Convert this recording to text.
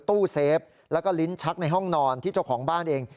ตู้เซฟแล้วก็ลิ้นชักในห้องนอนที่เจ้าของบ้านเอง